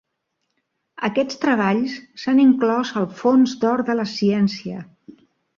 Aquests treballs s'han inclòs al fons d'or de la ciència.